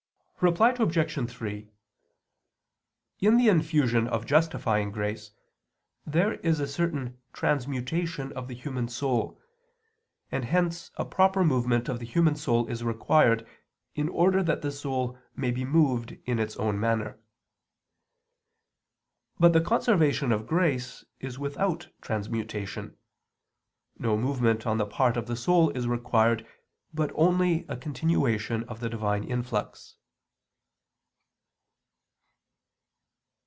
Reply Obj. 3: In the infusion of justifying grace there is a certain transmutation of the human soul, and hence a proper movement of the human soul is required in order that the soul may be moved in its own manner. But the conservation of grace is without transmutation: no movement on the part of the soul is required but only a continuation of the Divine influx.